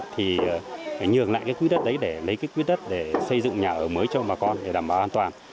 thì phải nhường lại cái quỹ đất đấy để lấy cái quyết đất để xây dựng nhà ở mới cho bà con để đảm bảo an toàn